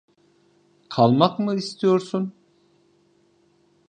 Kalmak mı istiyorsun?